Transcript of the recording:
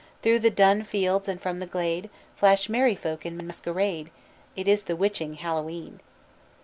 Through the dun fields and from the glade Flash merry folk in masquerade It is the witching Hallowe'en.